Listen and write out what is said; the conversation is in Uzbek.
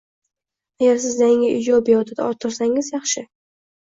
Agar siz yangi ijobiy odat orttirsangiz yaxshi.